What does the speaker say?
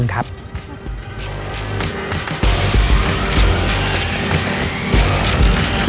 ขอบคุณครับ